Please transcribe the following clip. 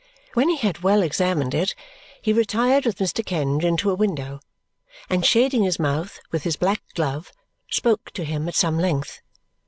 When he had well examined it, he retired with Mr. Kenge into a window, and shading his mouth with his black glove, spoke to him at some length.